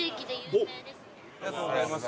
ありがとうございます。